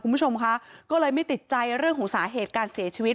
คุณผู้ชมคะก็เลยไม่ติดใจเรื่องของสาเหตุการเสียชีวิต